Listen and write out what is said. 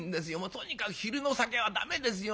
とにかく昼の酒は駄目ですよまだ。